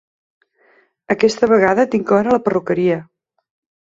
Aquesta vegada tinc hora a la perruqueria.